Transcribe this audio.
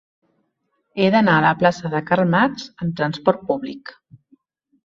He d'anar a la plaça de Karl Marx amb trasport públic.